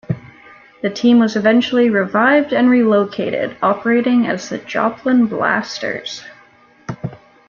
The team was eventually revived and relocated, operating as the Joplin Blasters.